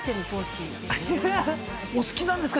お好きなんですか？